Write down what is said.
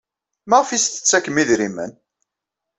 Maɣef ay as-tettakfem idrimen?